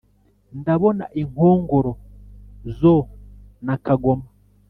ndabona inkongoro zo na kagoma,